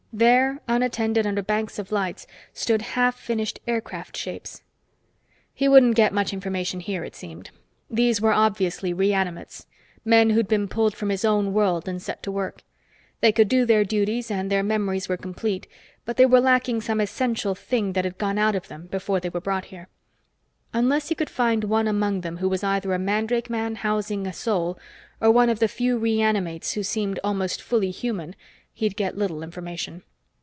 There, unattended under banks of lights, stood half finished aircraft shapes. He wouldn't get much information here, it seemed. These were obviously reanimates, men who'd been pulled from his own world and set to work. They could do their duties and their memories were complete, but they were lacking some essential thing that had gone out of them before they were brought here. Unless he could find one among them who was either a mandrake man housing a soul or one of the few reanimates who seemed almost fully human, he'd get little information.